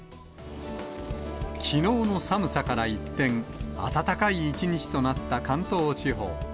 きのうの寒さから一転、暖かい一日となった関東地方。